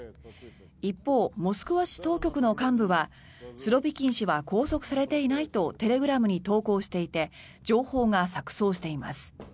一方、モスクワ市当局の幹部はスロビキン氏は拘束されていないとテレグラムに投稿していて情報が錯そうしています。